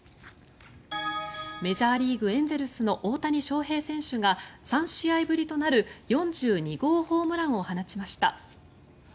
メジャーリーグエンゼルスの大谷翔平選手が３試合ぶりとなる４２号ホームランを放ちました。